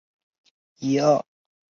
早年留学苏联莫斯科列宁学院。